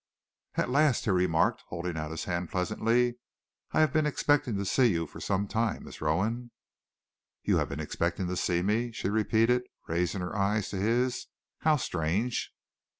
"At last!" he remarked, holding out his hand pleasantly. "I have been expecting to see you for some time, Miss Rowan." "You have been expecting to see me?" she repeated, raising her eyes to his. "How strange!"